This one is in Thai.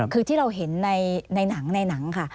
คือที่เราเห็นในหนังค่ะ